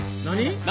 何？